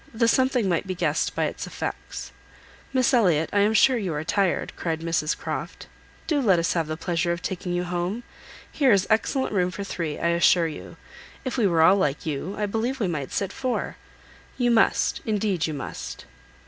The something might be guessed by its effects. "Miss Elliot, I am sure you are tired," cried Mrs Croft. "Do let us have the pleasure of taking you home. Here is excellent room for three, I assure you. If we were all like you, I believe we might sit four. You must, indeed, you must."